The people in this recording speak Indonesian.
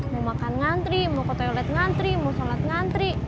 mau makan ngantri mau ke toilet ngantri mau sholat ngantri